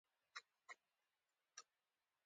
لکه یو مړاوی شوی همبرګر، اوس یې پوست نازک شوی و.